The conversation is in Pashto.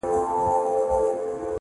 سپین مخ راته ګوري خو تنویر خبري نه کوي-